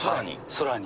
空に？